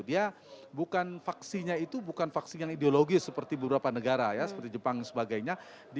dia bukan faksinya itu bukan vaksin yang ideologis seperti beberapa negara ya seperti jepang dan sebagainya